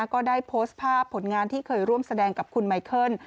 ก็ได้โพสต์ภาพผลงานที่เคยร่วมแสดงกับคุณไมเคิล